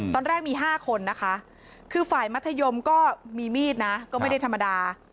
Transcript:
ตอนแรกมี๕คนนะคะคือฝ่ายมัธยมก็มีมีดนะก็ไม่ได้ธรรมดา